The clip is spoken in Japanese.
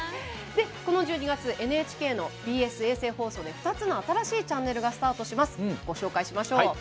この１２月、ＮＨＫのＢＳ衛星放送で２つの新しいチャンネルがスタートします。